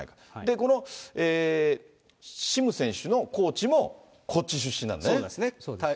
このシム選手のコーチもこっち出身なのね。